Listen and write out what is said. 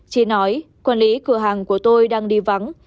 chỉ nói quản lý cửa hàng của tôi đang đi vắng